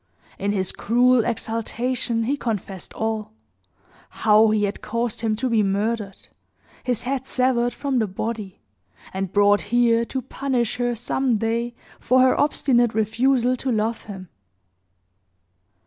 In his cruel exultation, he confessed all; how he had caused him to be murdered; his head severed from the body; and brought here to punish her, some day, for her obstinate refusal to love him.